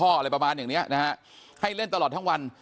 อะไรประมาณอย่างเนี้ยนะฮะให้เล่นตลอดทั้งวัน